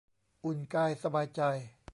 อุ่นกายสบายใจ